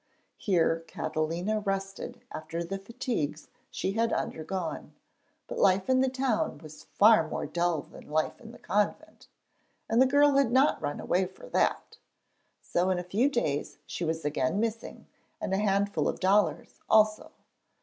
Here Catalina rested after the fatigues she had undergone, but life in the town house was far more dull than life in the convent, and the girl had not run away for that! So in a few days she was again missing, and a handful of dollars also.